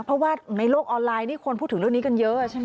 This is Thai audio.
เพราะว่าในโลกออนไลน์นี่คนพูดถึงเรื่องนี้กันเยอะใช่ไหม